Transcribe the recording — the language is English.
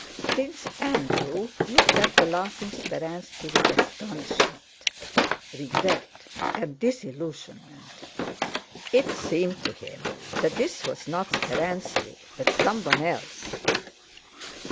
Prince Andrew looked at the laughing Speránski with astonishment, regret, and disillusionment. It seemed to him that this was not Speránski but someone else.